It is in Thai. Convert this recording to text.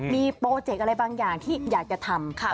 มีโปรเจกต์อะไรบางอย่างที่อยากจะทำ